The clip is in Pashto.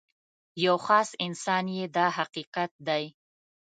یو خاص انسان یې دا حقیقت دی.